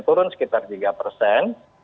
turun sekitar tiga persen